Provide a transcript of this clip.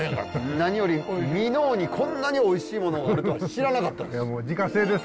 何より箕面にこんなにおいしいものがあるとは知らなかったです。